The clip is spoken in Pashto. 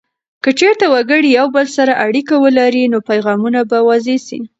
که چیرته وګړي یو بل سره اړیکه ولري، نو پیغامونه به واضح سي.